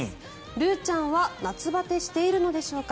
ルーちゃんは夏バテしているのでしょうか。